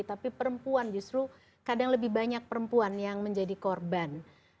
tapi perempuan justru kadang lebih banyak perempuan yang menjadi korban